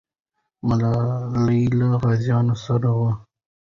ملالۍ له غازیانو سره وه.